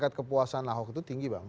kelepasan ahok itu tinggi bang